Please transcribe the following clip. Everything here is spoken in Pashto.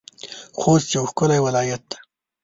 خوست يو ښکلی ولايت دی.